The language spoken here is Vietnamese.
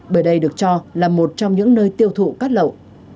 bởi đây được cho là một trong những nơi tiêu thụ cắt lẩu